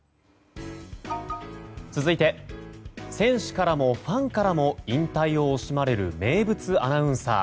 続いて選手からもファンからも引退を惜しまれる名物アナウンサー。